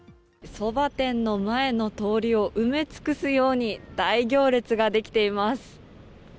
そば店の前の通りを埋め尽くすように大行列ができています。